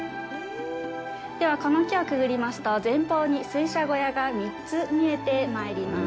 では、この木をくぐりますと、前方に水車小屋が３つ見えてまいります。